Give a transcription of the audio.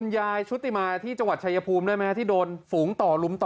ยายชุติมาที่จังหวัดชายภูมิได้ไหมฮะที่โดนฝูงต่อลุมต่อ